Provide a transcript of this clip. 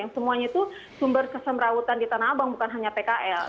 yang semuanya itu sumber kesemrawutan di tanah abang bukan hanya pkl